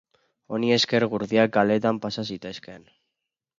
Honi esker gurdiak kaleetan pasa zitezkeen.